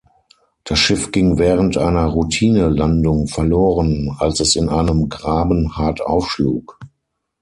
Das Schiff ging während einer Routine-Landung verloren, als es in einem Graben hart aufschlug.